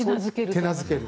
手なずける。